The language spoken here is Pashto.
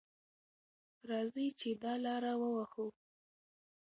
راځئ چې دا لاره ووهو.